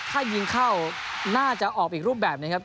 ถ้ายิงเข้าน่าจะออกอีกรูปแบบนะครับ